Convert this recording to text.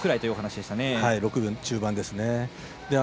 ６秒中盤ですね。